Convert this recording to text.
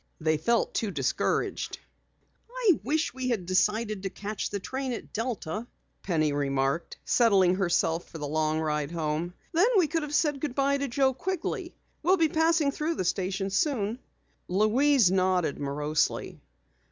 They felt too discouraged. "I wish we'd decided to catch the train at Delta," Penny remarked, settling herself for the long ride home. "Then we could have said goodbye to Joe Quigley. We'll be passing through the station soon." Louise nodded morosely.